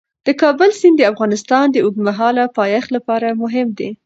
د کابل سیند د افغانستان د اوږدمهاله پایښت لپاره مهم دی.